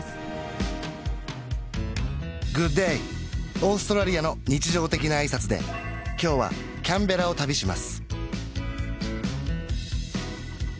オーストラリアの日常的な挨拶で今日はキャンベラを旅します